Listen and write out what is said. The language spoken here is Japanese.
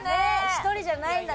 １人じゃないんだ